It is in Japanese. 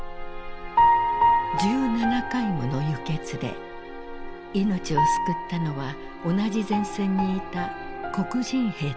１７回もの輸血で命を救ったのは同じ前線にいた黒人兵たちだった。